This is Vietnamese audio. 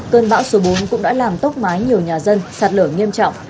cơn bão số bốn cũng đã làm tốc mái nhiều nhà dân sạt lở nghiêm trọng